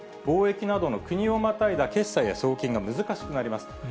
貿易などの国をまたいだ決済や送金が難しくなります。